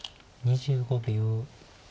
２５秒。